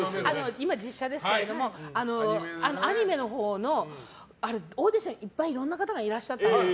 今、実写ですけどアニメのほうのオーディションいっぱいいろんな方いらっしゃったんです。